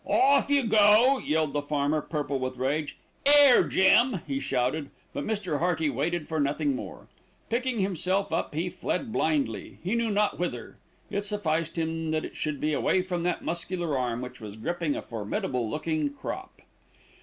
"Off you go!" yelled the farmer, purple with rage. "Here Jim," he shouted; but Mr. Hearty waited for nothing more. Picking himself up, he fled blindly, he knew not whither. It sufficed him that it should be away from that muscular arm which was gripping a formidable looking crop.